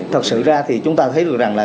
thật sự ra thì chúng ta thấy được rằng là